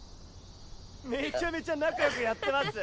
めちゃめちゃ仲良くやってます。